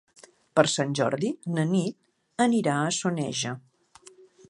Per Sant Jordi na Nit anirà a Soneja.